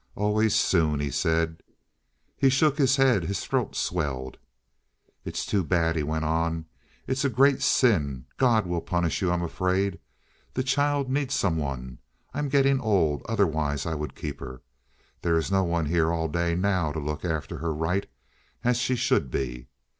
"Always soon," he said. He shook his head. His throat swelled. "It's too bad," he went on. "It's a great sin. God will punish you, I'm afraid. The child needs some one. I'm getting old—otherwise I would keep her. There is no one here all day now to look after her right, as she should be."